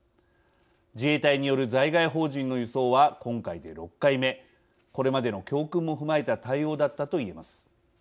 自衛隊による在外邦人の輸送は今回で６回目これまでの教訓も踏まえた対応だったと言えます。